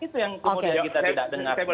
itu yang kemudian kita tidak dengar